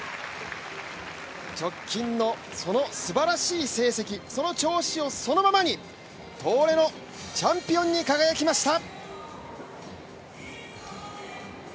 直近の、そのすばらしい成績、その調子をそのままに東レのチャンピオンに輝きました。